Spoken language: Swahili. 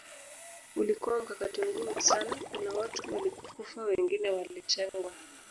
Ulikuwa mkakati mgumu sana kuna watu walikufa wengine walitengwa